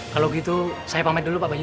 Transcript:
kalau gitu saya pamet dulu pak bayu